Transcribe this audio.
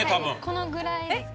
このぐらいです